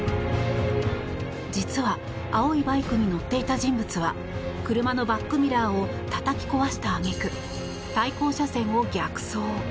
実は青いバイクに乗っていた人物は車のバックミラーをたたき壊した揚げ句対向車線を逆走。